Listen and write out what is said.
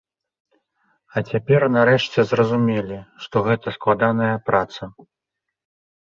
А цяпер нарэшце зразумелі, што гэта складаная праца.